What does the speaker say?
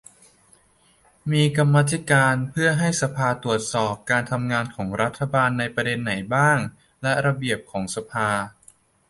มีกรรมธิการ เพื่อให้สภาตรวจสอบการทำงานของรัฐบาลในประเด็นไหนบ้าง และ ระเบียบของสภา